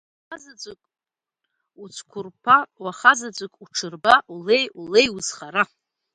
Уахазаҵәык уцәқәырԥа, уаха-заҵәык уҽырба, Улеи, улеи узхара!